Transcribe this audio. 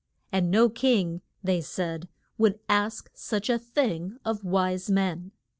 And no king, they said, would ask such a thing of wise men.